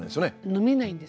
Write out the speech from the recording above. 飲めないんです。